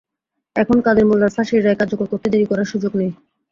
এখন কাদের মোল্লার ফাঁসির রায় কার্যকর করতে দেরি করার সুযোগ নেই।